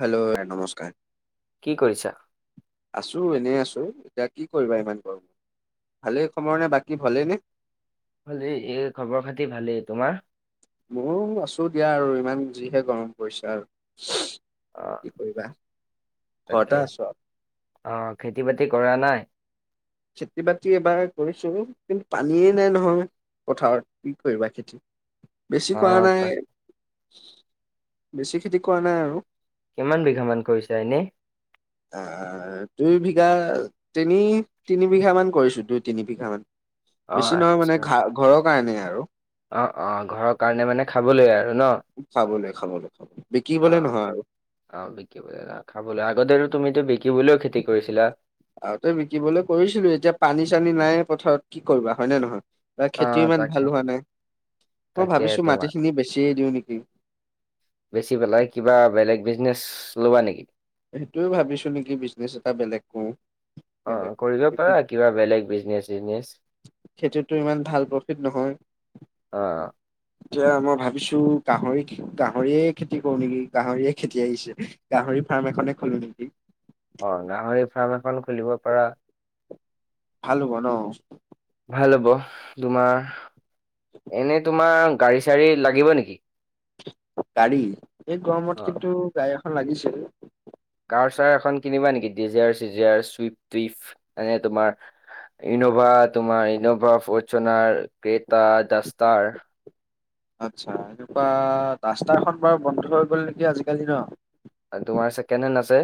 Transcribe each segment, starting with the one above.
Hello এ নমস্কাৰ। কি কৰিছাঁ আছোঁ এনে আছোঁ, এতিয়া কি কৰিবা ইমান গৰম ভালেই খবৰ নে বাকী ভলেই নে। ভালেই এই খবৰ খাতি ভালেই তোমাৰ- ময়ো আছোঁ দিয়া আৰু ইমান যিহে গৰম পৰিছে আৰু অ কি কৰিবা তাকে ঘৰতে আছোঁ আৰু- অ' খেতি বাতি কৰা নাই। খেতি বাতি এবাৰ কৰিছোঁ কিন্তু পানী নাই নহয়। পথাৰত কি কৰিবা খেতি। বেছি অ কৰা নাই তাক বেছি খেতি কৰা নাই আৰু, কিমান বিঘা মান কৰিছাঁ এনে, আহ' দুই বিঘা, তিনি তিনি বিঘা মান কৰিছোঁ দুই তিনি বিঘা মান- অ বেছি নহয় মানে আচ্ছা ঘা ঘৰৰ কাৰণে আৰু- অ' অ' ঘৰৰ কাৰণে মানে খাবলৈ আৰু ন খাবলৈ খাবলৈ খাবলৈ বিকিবলে অ'। নহয় আৰু অ' বিকিবলৈ ন খাবলৈ আগতে তুমিটো বিকিবলৈও খেতি কৰিছিলা। আগতেই বিকিবলৈ কৰিছিলোঁ। এতিয়া পানী চানী নাই পথাৰত কি কৰিবা হয় নে নহয়। এইবাৰ অ খেতিও ইমান তাকে ভাল হোৱা নাই মই তাকে ভাবিছোঁ মাটি তোমাৰ খিনি বেছিয়ে দিওঁ নিকি। বেছি পেলাই কিবা বেলেগ বিজনেছ লবা নেকি। সেইটোয়ে ভাবিছোঁ নিকি বিজনেচ এটা বেলেগ কৰোঁ। অ' কৰিব পাৰা কিবা বেলেগ বিজনেচ চিজনেচ। খেতিটো ইমান ভাল প্ৰফিট নহয়। অ' এতিয়া মই ভাবিছোঁ, গাহৰি খে গাহৰিয়ে খেতি কৰো নেকি গাহৰিয়ে খেতি আহিছে। গাহৰি ফাৰ্ম এখনে খোলো নেকি। অ' গাহৰি ফাৰ্ম এখন খুলিব পাৰা। ভাল হ'ব ন। ভাল হ'ব তোমাৰ এনে তোমাৰ গাড়ী চাড়ী লাগিব নিকি। গাড়ী, এই গৰমত অ কিন্তু গাড়ী এখন লাগিছিল। কাৰ চাৰ এখন কিনিবা নিকি ডিজাৰ চিজাৰ চুইফ টুইফ এনে তোমাৰ- ইনৌভা তোমাৰ ইনৌভা ফৰ্চোনাৰ ক্ৰেতা দাস্তাৰ আচ্ছা এনেকুৱা দাস্তাৰখন বাৰু বন্ধ হৈ গ'ল নিকি আজিকালি ন। তোমাৰ চেকেণ্ড হেন আছে।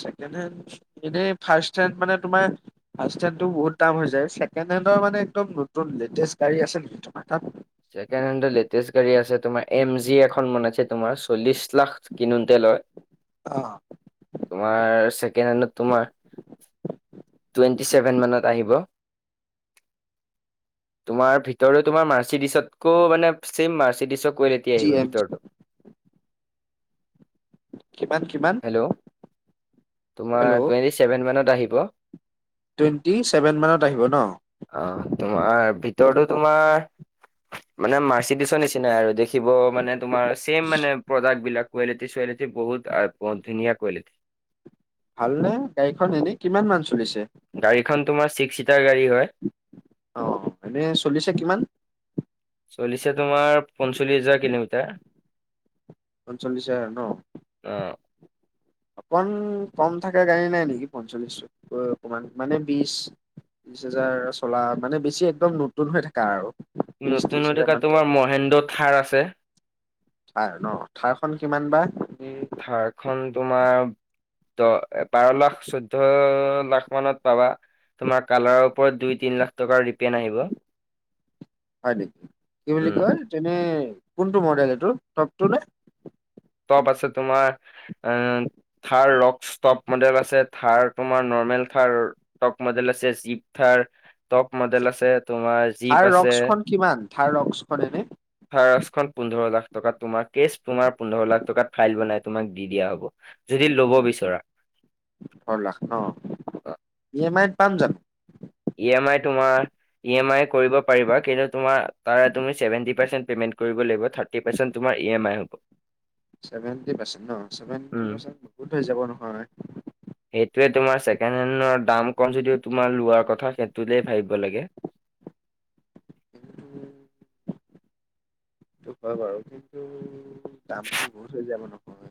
ছেকেণ্ড হেণ্ড এনেই ফাৰ্ষ্ট হেণ্ড মানে তোমাৰ- ফাৰ্ষ্ট হেণ্ডটো বহুত দাম হৈ যায় ছেকেণ্ড হেণ্ডৰ মানে একদম নতুন লেটেষ্ট গাড়ী আছে নিকি তোমাৰ তাত ছেকেণ্ড হেণ্ডটো লেটেষ্ট গাড়ী আছে তোমাৰ এম জি এখন বনাইছে তোমাৰ চল্লিশ লাখ কিনোতে লয় অ তোমাৰ ছেকেণ্ড হেণ্ডত তোমাৰ টুৱেন্টি চেভেন মানত আহিব তোমাৰ ভিতৰত তোমাৰ মাৰ্চিডিছতকো মানে ছেম মাৰ্চিডিছৰ কোৱেলিটি জি আহিব এম জি ভিতৰতো কিমান কিমান হেল্ল' তোমাৰ হেল্ল' টুৱেণ্টি ছেভেন মানত আহিব। টুৱেণ্টি ছেভেন মানত আহিব ন অ তোমাৰ ভিতৰতো তোমাৰ মানে মাৰ্চিডিছৰ নিচিনাই আৰু দেখিবৰ মানে তোমাৰ ছেইম মানে প্ৰডাক্টবিলাক কোৱালিটি চুুৱালিটি বহুত আ বহুত ধুনীয়া কুৱালিটি ভালনে গাড়ীখন এনে কিমান মান চলিছে? গাড়ীখন তোমাৰ ছিক্স ছিটাৰ গাড়ী হয় অ এনেই চলিছে কিমান? চলিছে তোমাৰ পঞ্চল্লিশ হাজাৰ কিলোমিটাৰ। পঞ্চল্লিছ হাজাৰ ন। অ অকমান কম থকা গাড়ী নাই নেকি পঞ্চল্লিশকৈ অকমান মানে বিশ বিশ হাজাৰৰ চলা মানে বেছি একদম নতুন হৈ থকা আৰু। বিশ নতুন ত্ৰিশ হৈ হাজাৰ থকা মান তোমাৰ মহেন্দ্ৰ থাৰ আছে। থাৰ ন থাৰখন কিমান বা? থাৰখন তোমাৰ দহ বাৰ লাখ চৈধ্য লাখ মানত পাবা। তোমাৰ কালাৰৰ ওপৰত দুই তিনি লাখ টকা ৰিটাৰ্ণ আহিব। হয় নেকি কি বুলি উম। কয় এনে কোনটো মডেল এইটো টপটো নে? টপ আছে তোমাৰ অ থাৰ ৰক্ ষ্টপ মডেল আছে থাৰ তোমাৰ নৰ্মেল থাৰ টপ মডেল আছে জিপ থাৰ টপ মডেল আছে তোমাৰ জীপ থাৰ আছে। ৰক্সখন কিমান থাৰ ৰক্সখন এনে থাৰ ৰক্সখন পোন্ধৰ লাখ টকা তোমাৰ কেচ তোমাৰ পোন্ধৰ লাখ টকাত ফাইল বনাই তোমাক দি দিয়া হব যদি লব বিচৰা। ওঠৰ লাখ ন ই এম আইত পাম জানো? ই এ মাই তোমাৰ ই এম আই কৰিব পাৰিবা কিন্তু তোমাৰ ধৰা তুমি চেভেনটি পাৰ্চেন্ট পেমেণ্ট কৰিব লাগিব থাৰ্টি পাৰ্চেন্ট তোমাৰ ই এম আই হব চেভেনটি পাৰ্চেন্ট ন উম, চেভেনটি পাৰ্চেন্ট বহুত হৈ যাব নহয় সেইটোৱে তোমাৰ ছেকেণ্ড হেণ্ডৰ দাম কম যদি তোমাৰ লোৱাৰ কথা সেইটোৱে ভাবিব লাগে। কিন্তু [inaudible] সেইটো হয় বাৰু কিন্তু দামো বহুত হৈ যাব নহয়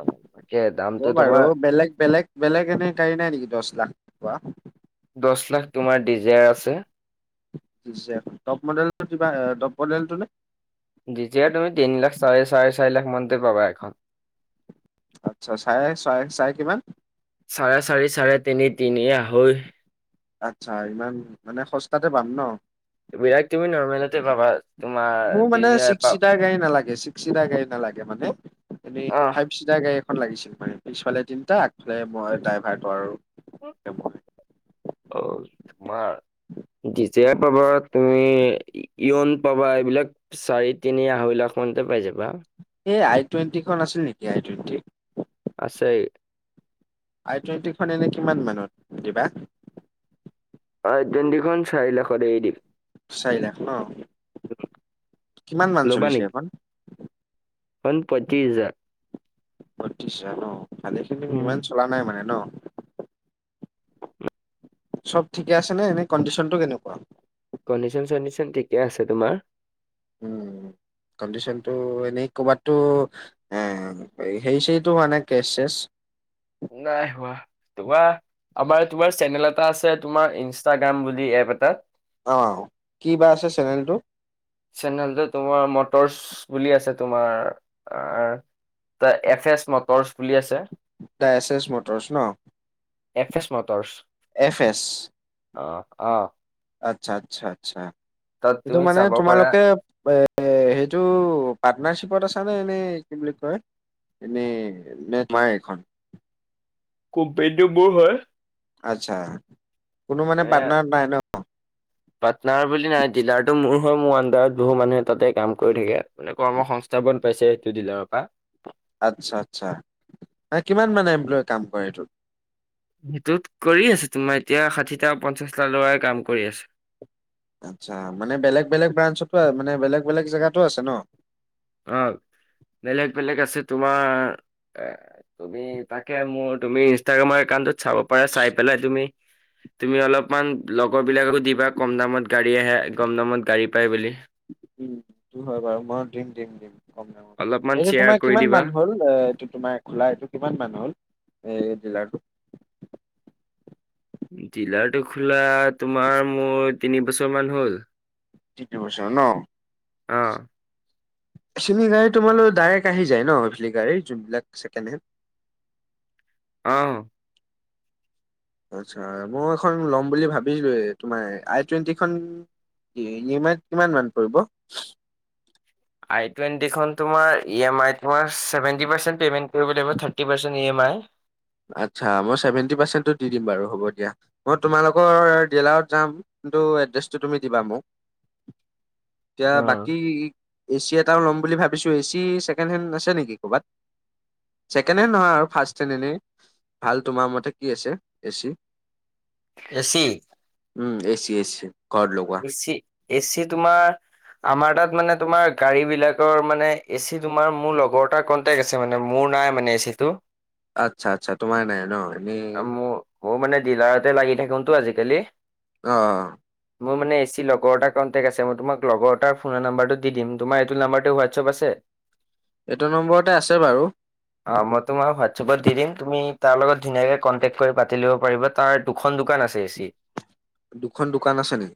অ, তাকে দামটো হ'ব বাৰু তোমাৰ বেলেগ বেলেগ বেলেগ এনেই গাড়ী নাই নেকি দহ লাখ টকা দহ লাখ তোমাৰ ডিজাৰ আছে। ডিজাৰ টপ মডেল কিবা টপ মডেলটো নে ডিজাৰ তুমি তিনি লাখ চাৰে চাৰে চাৰি লাখ মানতে পাবা এখন আচ্ছা, চাৰে চাই চাই কিমান? চাৰে চাৰি, চাৰে তিনি, তিনি আঢ়ৈ। আচ্ছা, ইমান মানে সস্তাতে পাম ন'? বিৰাট তুমি নৰ্মেলতে পাবা। তোমাৰ- তা গাড়ী নালাগে ছিক্স ছিটাৰ গাড়ী নালাগে মানে এনেই অহ ফাইভ ছিটাৰ গাড়ী এ ভাল লাগিছিল আৰু পিছফালে তিনিটা মই ড্ৰাইভাৰটো আৰু অ তোমাৰ। [unintelligible] পাবা, তুমি ইয়ন পাবা, এইবিলাক চাৰি তিনি আঢ়ৈ লাখ মানতে পাই যাবা। এই আই টুৱেটিখন আছিল নেকি, আই টুৱেণ্টি? আছেই। আই টুৱেণ্টি খন এনে, কিমান মানত দিবা? অঁ, ট্ৰুৱেন্টিখন চাৰি লাখত এৰি দিম। চাৰি লাখ ন', কিমান মান চলিছে এইখন? সিখন প‌ইএিশ হাজাৰ। উঠিছা আৰু বালি খিনি উম। ইমান চলা নাই মানে ন। চব ঠিকে আছে নে এনেই কণ্ডিচন টো কেনেকুৱা? কণ্ডিশ্যন- চণ্ডিশ্যন ঠিকে আছে তোমাৰ? উম, কণ্ডিশন টো এনে কৰ'বাতো আহ, হেৰি- চেৰীটো হোৱা নাই কেচ- চেচ। নাই হোৱা। তোমাৰ আমাৰ তোমাৰ চেনেল এটা আছে তোমাৰ ইনষ্টাগ্ৰাম বুলি এপ এটাত অঁ, কিবা আছে চেনেলটো! চেনেলটো তোমাৰ মটৰচ বুলি আছে তোমাৰ। দা এফ এছ মটৰচ দা এচ এচ মটৰচ ন? F S motors. F S, অ অ আতচ্ছা, আতচ্ছা। তাত সেইটো তুমি মানে চাব পাৰা তোমালোকে এ- এ সেইটো পাৰ্টনাৰশ্বিপত আছ নে এনে কি বুলি কয়? এনেই নে তোমাৰ এখন কোম্পানিটো মোৰ হয়। আতচ্ছা, কোনো মানে পাৰ্টনাৰ নাই ন? পাটনাৰ বুলি নাই। ডিলাৰটো মোৰ হয়, মোৰ আণ্ডাৰত বহুত মানুহে তাতে কাম কৰি থাকে। মানে কৰ্ম সংস্থাপন পাইছে সেইটো ডিলাৰৰ পৰা। আচ্ছা আচ্ছা। মানে কিমান মানে এমপ্লয় কাম কৰে এইটোত? সেইটোত কৰি আছে তোমাৰ এতিয়া ষাঠিটা, পঞ্চাশটা ল'ৰাই কাম কৰি আছে। আতচ্ছা মানে বেলেগ বেলেগ ব্ৰাঞ্চতো মানে বেলেগ বেলেগ জেগাতো আছে ন। অ, বেলেগ- বেলেগ আছে, তোমাৰ এ তুমি তাকে মোৰ তুমি ইনষ্টাগ্ৰামৰ একাউটত তোত চাব পাৰ চাই পেলাই তুমি তুমি অলপমান লগৰ বিলাককো দিবা, কম দামত গাড়ী আহে, কম দামত গাড়ী পাই বুলি। হয় বাৰু মই দিম দিম কম টাইমত। অলপমান এইটো শ্বেয়াৰ তোমাৰ কৰি কিমান দিবা মান হ'ল? এইটো তোমাৰ খোলা, এইটো কিমান মান হ'ল, এই ডিলাৰ টো? ডিলাৰটো খোলাৰ তোমাৰ মোৰ তিনি বছৰ মান হ'ল। তিনিবছৰ ন? অ চিনি গাড়ী তোমোলৈ ডাইৰেক্ট আহি যায় ন? চিনি গাড়ী যোনবিলাক ছেকেড হেণ্ড। অঁ। মই এখন লম বুলি ভাবিলোঁৱেই তোমাৰ, আই টুৱেণ্টিখন। মিনিমান কিমান মান পৰিব? আই টুৱেণ্টিখন তোমাৰ ই এম আই তোমাৰ, চেভেণ্টি পাৰ্চেণ্ট পে'মেণ্ট কৰিব লাগিব। Thirty percent E M I. আচ্ছা, মই চেভেন্টি পাৰ্চেন্টো দি দিম বাৰু হ'ব দিয়া। মই তোমালোকৰ দিলাৰত যাম কিন্তু এড্ৰেছটো তুমি দিবা মোক। [inaudible] এতিয়া বাকী এ চি এটাও ল'ম বুলি ভাবিছো, এ চি ছেকেণ্ড হেণ্ড আছে নেকি ক'ৰবাত? ছেকেড হেণ্ড নহয় আৰু ফাৰ্ষ্ট হেণ্ড এনেই। ভাল তোমাৰ মতে কি আছে A C? A C. Um, A C, A C [unintelligible] A C, A C তোমাৰ আমাৰ তাত মানে তোমাৰ গাড়ী বিলাকৰ মানে এ চি তোমাৰ মোৰ লগৰটা [unintelligible] আছে মানে মোৰ নাই মানে এ চি টো। আচ্ছা আচ্ছা, তোমাৰ নাই ন এনেই মইও মানে ডিলাৰতে লাগি থাকো তো আজিকালি। অ'। মোৰ মানে এচি লগৰ এটা কণ্টেক্ট আছে, তোমাক লগৰ এটাৰ ফোনৰ নম্বাৰটো দি দিম তোমাৰ এইটো নাম্বাৰটো হোৱাটছআপ আছে? [inaudible] এটো নম্বৰতে আছে বাৰু। অ', মই তোমাক হোৱাটছএপত দি দিম তুমি তাৰ লগত ধুনীয়াকে কণ্টেক্ট কৰি পাতি লব পাৰিবা। তাৰ দুখন দোকান আছে এ চিৰ। দুখন দোকান আছে নি?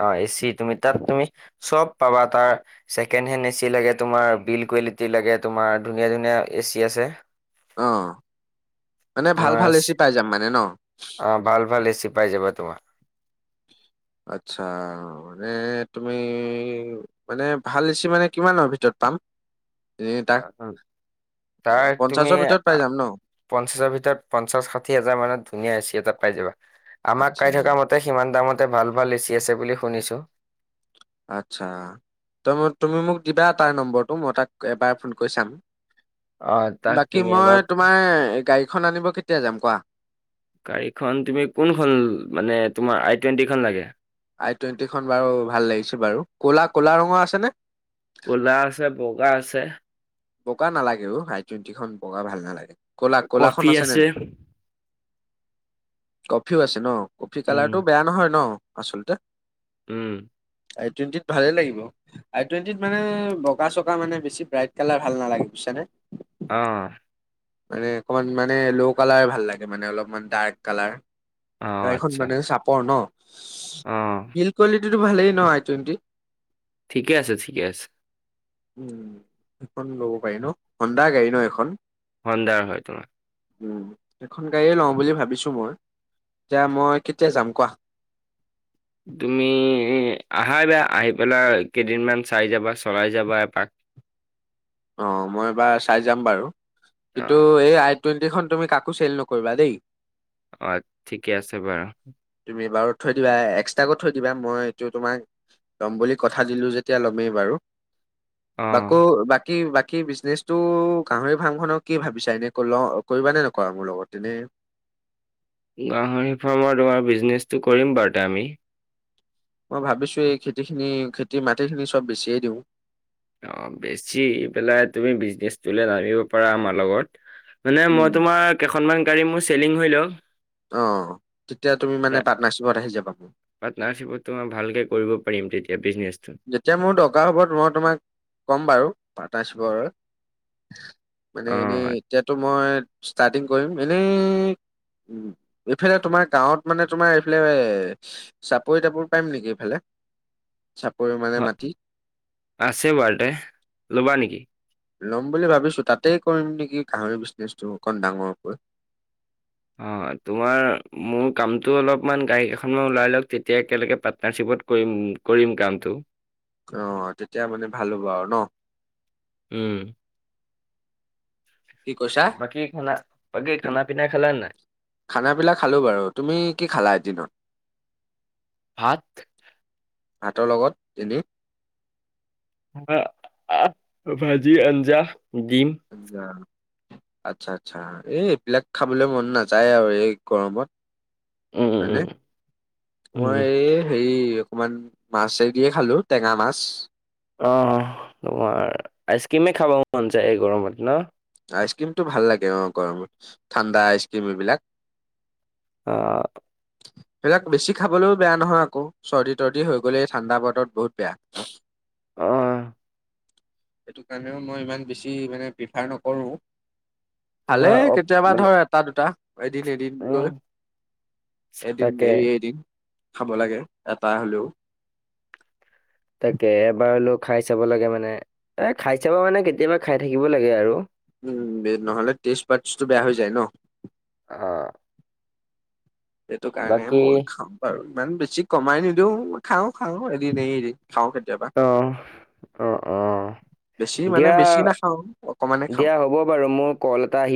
অ', এ চি তুমি তাত তুমি চব পাবা তাৰ ছেকেণ্ড হেণ্ড এচি লাগে তোমাৰ, বিল কোৱালিটি লাগে তোমাৰ ধুনীয়া ধুনীয়া এ চি আছে। অ', মানে ভাল তোমাৰ ভাল এ চি পাই যাম মানে ন। অ', ভাল ভাল এ চি পাই যাবা তোমাৰ। আচ্ছা। মানে তুমি, মানে ভাল এ চি মানে কিমানৰ ভিতৰত পাম? এ তাক তাৰ পঞ্চাশৰ তুমি ভিতৰত পাই যাম ন পঞ্চাশৰ ভিতৰত, পঞ্চাশ ষাঠি হাজাৰ মানত ধুনীয়া এ চি এটা পাই যাবা। আমাক আচ্ছা কাই থকা মতে ত সিমান দামতে ভাল ভাল এ চি আছে বুলি শুনিছো। আচ্ছা, ত তুমি মোক দিবা তাৰ নম্বৰটো মই তাক এবাৰ ফোন কৰি চাম। অ', তাক বাকী তুমি মই এবাৰ তোমাৰ গাড়ীখন আনিব কেতিয়া যাম কোৱা? গাড়ীখন তুমি কোনখন মানে তোমাৰ আই টুৱেণ্টিখন লাগে? আই টুৱেণ্টি খন বাৰু ভাল লাগিছে বাৰু ক'লা ক'লা ৰঙৰ আছেনে? ক'লা আছে, বগা আছে। বগা নালাগে অ', আই টুৱেণ্টিখন বগা ভাল নালাগে কলা-ক'লাখন কফি আছেনে আছে। নাই? কফিও আছে ন, কফি উম, কালাৰটো বেয়া নহয় ন আচলতে। উম। আই টুৱেণ্টিত ভালে লাগিব, আই টুৱেণ্টিত মানে বগা চকা মানে বেছি ব্ৰাইট কালাৰ ভাল নালাগে বুজিছানে? অ'। মানে অকমান মানে ল' কালাৰ ভাল লাগে মানে অলপমান ডাৰ্ক কালাৰ। অ', গাড়িখন আচ্ছা মানে চাপৰ ন, অ', বিলদ কোৱালিটিটো ভালেই ন আই টুৱেণ্টি? ঠিকে আছে, ঠিকে আছে। উম' এখন ল'ব পাৰি ন, হন্দা গাড়ী ন এখন? হন্দা হয় তোমাৰ। উম' এখন গাড়ীয়ে লও বুলি ভাবিছো মই, এতিয়া মই কেতিয়া যাম কোৱা? তুমি আহা বা আহি পেলাই কেইদিনমান চাই যাবা, চলাই যাবা এপাক। অ মই এইবাৰ চাই বাৰু, অ কিন্তু এই আই টুৱেণ্টিখন তুমি কাকো চেল নকৰিবা দেই। অ' ঠিকে আছে বাৰু। তুমি বাৰু থৈ দিবা এক্সট্ৰাকৈ থৈ দিবা, মই এইটো তোমাক লম বুলি কথা দিলো যেতিয়া লমেই বাৰু। অ বাকো কি বাকী বিজনেচটো গাহৰি ফাৰ্ম খনক কি ভাবিছা, এনে কৰিবা নে নকৰা মোৰ লগত এনে? গাহৰি ফাৰ্মৰ তোমাৰ বিজনেচটো কৰিম বাৰু ত আমি। মই ভাবিছো এই খেতি খিনি খেতি মাটিখিনি চব বেছিয়ে দিওঁ। অ' বেছি পেলাই তুমি বিজনেচ তোলে নামিব পাৰা, আমাৰ লগত। মানে মই উম তোমাৰ কেইখনমান গাড়ী মোৰ চেলিং হৈ লওঁক। অ' তেতিয়া তুমি মানে পাৰ্টনাৰশ্বিপত আহি যাবা। পাৰ্টনাৰশ্বিপতো মই ভালকে কৰিব পাৰিম তেতিয়া বিজনেছটো। যেতিয়া মোৰ দৰকাৰ হ'ব মই তোমাক ক'ম বাৰু পাৰ্টনাৰশ্বিপৰ। মানে অ এনেই এতিয়াতো মই ষ্টাৰ্টিং কৰিম। এনে এইফালে তোমাৰ গাঁৱত মানে তোমাৰ এইফালে এ চাপৰি তাপৰি পাৰিম নেকি এইফালে। পৰিমাণে মাটি। আছে বাৰুতে ল'বা নেকি ল'ম বুলি ভাবিছো তাতেই কৰিম নেকি গাহৰি বিজনেচটো অকণ ডাঙৰকৈ। অ' তোমাৰ মোৰ কামটো অলপমান গাড়ী কেইখনমান ওলাই লওক, তেতিয়া একেলগে পাৰ্টনাৰশ্বিপত কৰিম কৰিম কামটো। অ' তেতিয়া মানে ভাল হ'ব আৰু ন। উম। কি কৈছা বাকি খালা, বাকী খানা পিনা খালা নাই? খানা পিলা খালো বাৰু, তুমি কি খালা এদিনত? ভাত। হাতৰ লগত যেনে ভাজি, আঞ্জা, দিম। যা। আচ্ছা, আচ্ছা, এই এইবিলাক খাবলে মন নাযায় আৰু এই গৰমত। উম, মানে, উম, উম। উম মই এই হেৰি অকমান মাছে এ দিয়ে খালো, টেঙা মাছ। অ' অ' তোমাৰ আইচক্ৰীমেই খাব মন যায়, এই গৰমত ন? আইচক্ৰীমটো ভাল লাগে অ গৰমত, ঠাণ্ডা আইচ ক্ৰীম এইবিলাক। অ'। সেইবিলাক বেছি খাবলৈও বেয়া নহয় আকৌ, চৰ্দি তৰ্দি হৈ গ'লে ঠাণ্ডা বতৰত বহুত বেয়া। অ। সেইটো কাৰণেও মই ইমান বেছি মানে প্ৰিফাৰ নকৰোঁ। ভালে তোমাৰ অপ- কেতিয়াবা মানে ধৰ এটা, দুটা, এদিন উম, এদিনকৈ, এদিন তাকে এৰি এদিন। খাব লাগে, এটা হ'লেও। তাকে এবাৰ লৈ খাই চাব লাগে মানে, এ খাই চাব মানে কেতিয়াবা খাই থাকিব লাগে আৰু। উম, নহ'লে টেষ্ট পাৰচটো বেয়া হৈ যায় ন, অ, সেইটো কাৰণে বাকী মই খাওঁ বাৰু, ইমান বেছি কমাই নিদিওই খাওঁ, খাওঁ এদিন, এদিন খাওঁ, কেতিয়াবা। অ, অ, অ, বেছি মানে দিয়া, বেছি নাখাওঁ অকমানে খাওঁ দিয়া হ'ব বাৰু, মোৰ কল এটা আহি